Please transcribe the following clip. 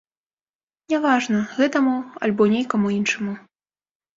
Няважна, гэтаму, альбо нейкаму іншаму.